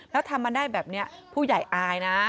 แล้วทำมาได้แบบนี้ผู้ใหญ่อายนะ